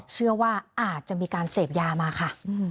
เชื่อว่าอาจจะมีการเสพยามาค่ะ